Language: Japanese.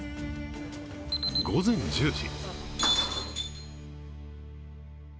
午前１０時。